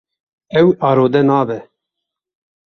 Ew arode nabe.